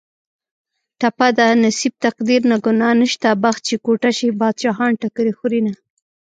ټپه ده: نصیب تقدیر نه ګناه نشته بخت چې کوټه شي بادشاهان ټکرې خورینه